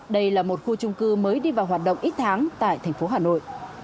đây là một khu trung cư mới đi vào hoạt động ít tháng tại thành phố hà nội